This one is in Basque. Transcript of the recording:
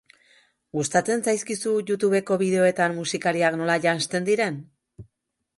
Gustatzen zaizkizu Youtubeko bideoetan musikariak nola janzten diren?